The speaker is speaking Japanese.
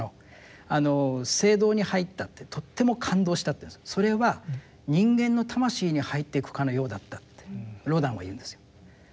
聖堂に入ったってとっても感動したって「それは人間の魂に入っていくかのようだった」ってロダンは言うんですよ。